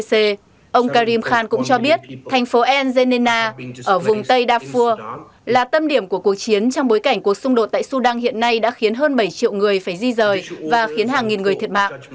công tố viên tòa hành sự quốc tế icc karim khan cũng cho biết thành phố enzenina ở vùng tây đa phủ là tâm điểm của cuộc chiến trong bối cảnh cuộc xung đột tại sudan hiện nay đã khiến hơn bảy triệu người phải di rời và khiến hàng nghìn người thiệt mạng